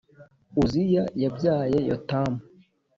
Uziya yabyaye Yotamu,